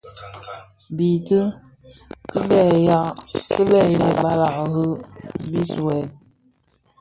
Biitiʼi kibëë yêê balàg rì biswed.